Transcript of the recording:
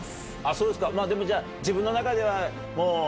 そうですかでもじゃあ自分の中では。